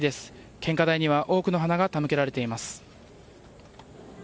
献花台には多くの花が手向けられています。